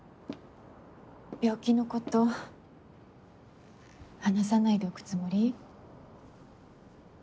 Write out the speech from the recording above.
病気のこと話さないでおくつもり？